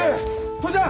父ちゃん！